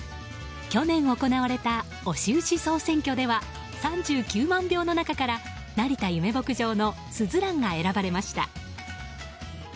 去年、行われた「推し牛総選挙」では３９万票の中から成田ゆめ牧場のすずらんが選ばれました。